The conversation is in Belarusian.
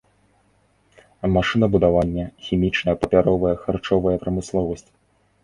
Машынабудаванне, хімічная, папяровая, харчовая прамысловасць.